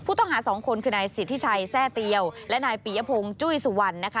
ต้องหาสองคนคือนายสิทธิชัยแทร่เตียวและนายปียพงศ์จุ้ยสุวรรณนะคะ